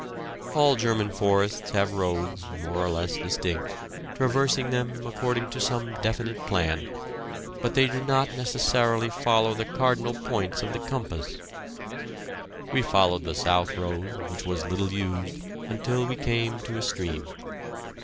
All German forests have roads, more or less distinct, traversing them according to some definite plan, but they do not necessarily follow the cardinal points of the compass. We followed the south road, which was little used, until we came to a stream.